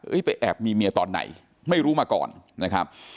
ไปแอบมีเมียตอนไหนไม่รู้มาก่อนนะครับ